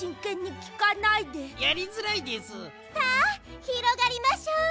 さあひろがりましょう。